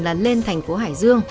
là lên thành phố hải dương